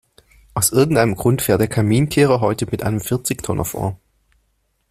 Aus irgendeinem Grund fährt der Kaminkehrer heute mit einem Vierzigtonner vor.